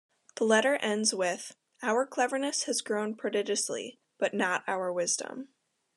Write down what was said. The letter ends with Our cleverness has grown prodigiously - but not our wisdom.